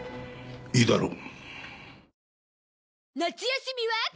いいだろう。